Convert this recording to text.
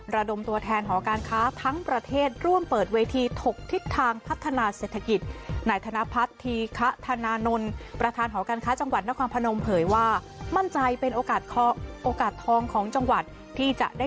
ระดมตัวแทนหอการค้าทั้งประเทศร่วมเปิดเวทีถกทิศทางพัฒนาเศรษฐกิจที่จะได้